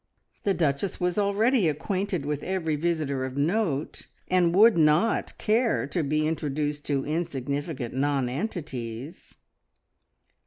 The Duchess was already acquainted with every visitor of note, and would not care to be introduced to insignificant nonentities.